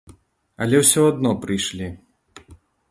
Але ўсё адно прыйшлі.